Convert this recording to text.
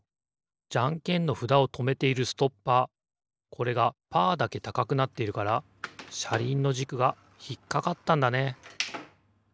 じゃんけんのふだをとめているストッパーこれがパーだけたかくなっているからしゃりんのじくがひっかかったんだね。